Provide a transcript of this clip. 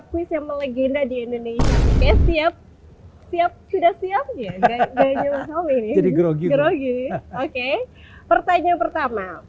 kuis yang melegenda di indonesia siap siap sudah siap ya grogi oke pertanyaan pertama